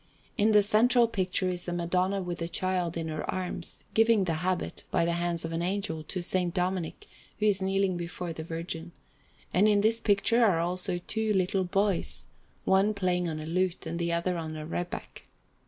In the central picture is the Madonna with the Child in her arms, giving the habit, by the hands of an Angel, to S. Dominic, who is kneeling before the Virgin; and in this picture are also two little boys, one playing on a lute and the other on a rebeck.